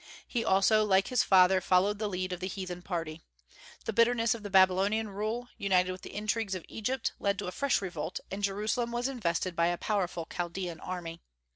He also, like his father, followed the lead of the heathen party. The bitterness of the Babylonian rule, united with the intrigues of Egypt, led to a fresh revolt, and Jerusalem was invested by a powerful Chaldean army.